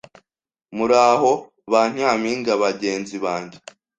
Muraho Ba Nyampinga bagenzi bange